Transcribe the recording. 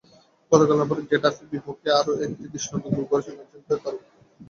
গতকাল আবার গেটাফের বিপক্ষেই আরও একটি দৃষ্টিনন্দন গোল করেছেন আর্জেন্টাইন তারকা।